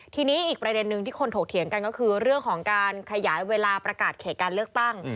ทีนี้อีกประเด็นนึงที่คนถกเถียงกันก็คือเรื่องของการขยายเวลาประกาศเขตการเลือกตั้ง